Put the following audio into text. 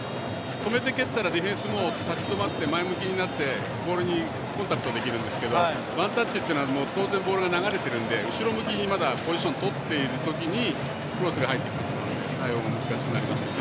止めて蹴ったらディフェンスも立ち止まって前向きになってボールにコンタクトできるんですけどワンタッチで流れているので、後ろ向きにポジションとっている時にクロスが入ってきてしまうので対応も難しくなります。